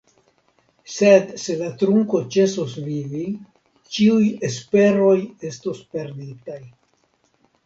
Sed se la trunko ĉesos vivi, ĉiuj esperoj estos perditaj.